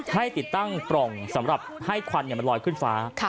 ให้ติดตั้งปล่องสำหรับให้ควันมันลอยขึ้นฟ้า